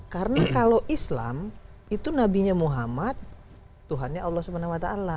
karena kalau islam itu nabinya muhammad tuhannya allah swt